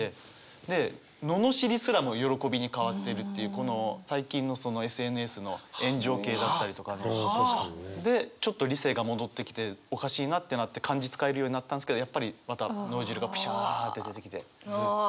でののしりすらも喜びに変わっているっていうこの最近のＳＮＳの炎上系だったりとかの。でちょっと理性が戻ってきておかしいなってなって漢字使えるようになったんですけどやっぱりまた脳汁がプシャって出てきてずっと。